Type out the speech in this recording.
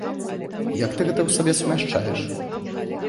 Як ты гэта ў сабе сумяшчаеш?